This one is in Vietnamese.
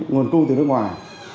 nguồn cung từ nước ngoài